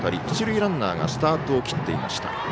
一塁ランナーがスタートを切っていました。